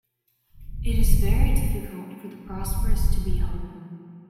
It is very difficult for the prosperous to be humble.